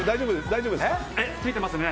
大丈夫ですか？